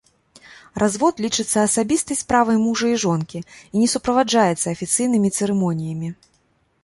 Развод лічыцца асабістай справай мужа і жонкі і не суправаджаецца афіцыйнымі цырымоніямі.